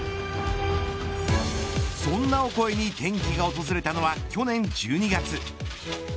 そんなオコエに転機が訪れたのは去年１２月。